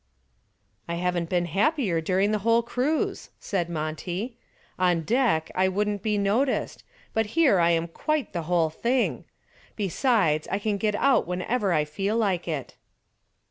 "I haven't been happier during the whole cruise," said Monty. "On deck I wouldn't be noticed, but here I am quite the whole thing. Besides I can get out whenever I feel like it."